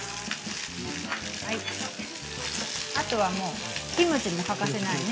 あとは、キムチも欠かせないね。